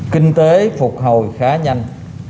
kinh tế phục hồi khá nhanh